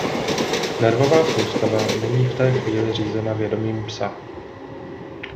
Nervová soustava není v té chvíli řízena vědomím psa.